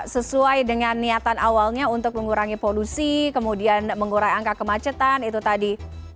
sesuai dengan niatan awalnya untuk mengurangi polusi kemudian mengurai angka kemacetan itu tadi